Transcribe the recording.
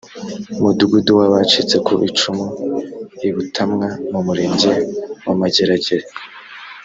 mudugudu w abacitse ku icumu i butamwa mu murenge wa mageragere